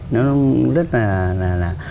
nó rất là